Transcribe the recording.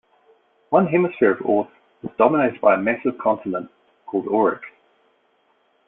One hemisphere of Oerth was dominated by a massive continent called Oerik.